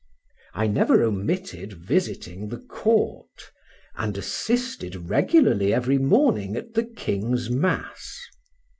I never omitted visiting the court, and assisted regularly every morning at the king's mass.